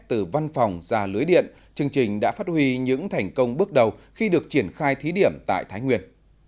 từ văn phòng ra lưới điện chương trình đã phát huy những thành công bước đầu khi được triển khai thí điểm tại thái nguyên